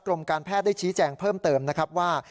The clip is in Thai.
การแพทย์ได้ชี้แจงเพิ่มเติมนะครับว่า